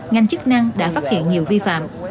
ngành chức năng đã phát hiện nhiều vi phạm